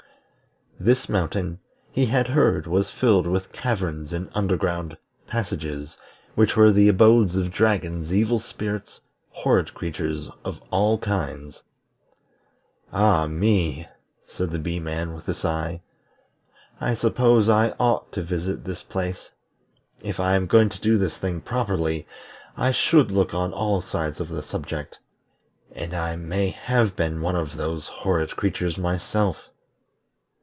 This mountain he had heard was filled with caverns and under ground passages, which were the abodes of dragons, evil spirits, horrid creatures of all kinds. "Ah me!" said the Bee man with a sigh, "I suppose I ought to visit this place. If I am going to do this thing properly, I should look on all sides of the subject, and I may have been one of those horrid creatures myself."